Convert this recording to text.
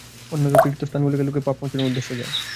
অন্যান্য তীর্থস্থানগুলিতে লোকে পাপমোচনের উদ্দেশ্যে যায়।